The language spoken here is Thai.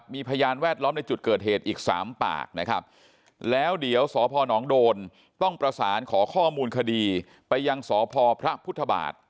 มีพยานแวดล้อมในจุดเกิดเหตุอีก๓ปากนะครับแล้วเดี๋ยวสพนโดนต้องประสานขอข้อมูลคดีไปยังสพพระพุทธบาท